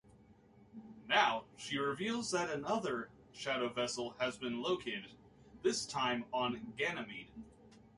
Now, she reveals that another Shadow vessel has been located, this time on Ganymede.